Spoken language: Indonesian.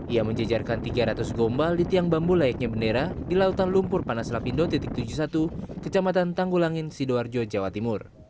ia menjejarkan tiga ratus gombal di tiang bambu layaknya bendera di lautan lumpur panas lapindo tujuh puluh satu kecamatan tanggulangin sidoarjo jawa timur